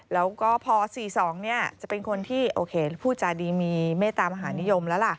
แล้วก็พอ๔๒จะเป็นคนที่โอเคพูดจาดีมีเมตตามหานิยมแล้วล่ะ